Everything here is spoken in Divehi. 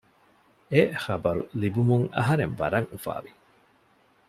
އެ ޚަބަރު ލިބުމުން އަހަރެން ވަރަށް އުފާވި